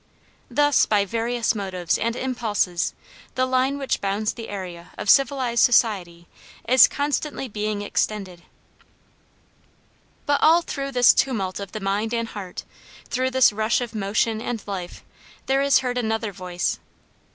Thus by various motives and impulses the line which bounds the area of civilized society is constantly being extended. But all through this tumult of the mind and heart, through this rush of motion and life there is heard another voice.